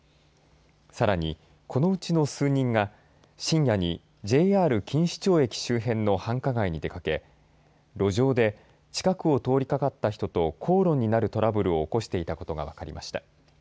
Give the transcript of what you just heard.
さらに、このうちの数人が深夜にＪＲ錦糸町駅周辺の繁華街に出かけ路上で近くを通りかかった人と口論になるトラブルを起こしていたことが分かりました。